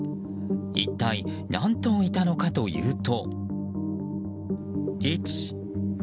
一体、何頭いたのかというと。